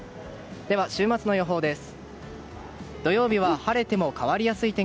では、週末の予報です。